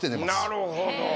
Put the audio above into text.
なるほど。